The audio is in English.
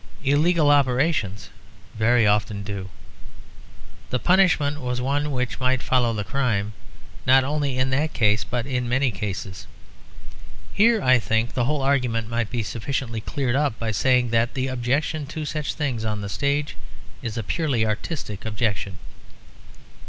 Illegal operations very often do. The punishment was one which might follow the crime, not only in that case, but in many cases. Here, I think, the whole argument might be sufficiently cleared up by saying that the objection to such things on the stage is a purely artistic objection.